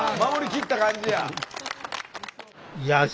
守りきった感じや。